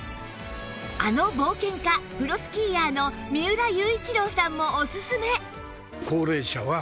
あの冒険家・プロスキーヤーの三浦雄一郎さんもおすすめ